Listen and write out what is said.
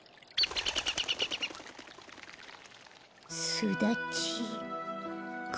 すだちか。